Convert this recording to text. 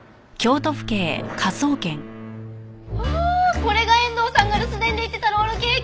これが遠藤さんが留守電で言ってたロールケーキ？